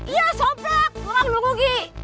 iya somplak gak mau rugi